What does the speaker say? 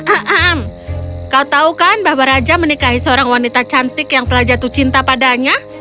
aam kau tahu kan bahwa raja menikahi seorang wanita cantik yang telah jatuh cinta padanya